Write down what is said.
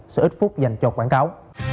số ít phút dành cho quảng cáo